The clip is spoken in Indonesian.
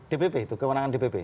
dpp itu kewenangan dpp